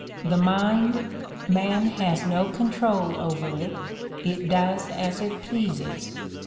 The mind? — man "has no control over it; it does as it pleases.